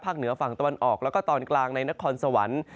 เหนือฝั่งตะวันออกแล้วก็ตอนกลางในนครสวรรค์